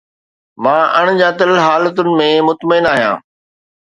مان اڻڄاتل حالتن ۾ مطمئن آهيان